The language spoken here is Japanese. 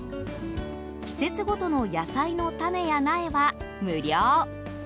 季節ごとの野菜の種や苗は無料。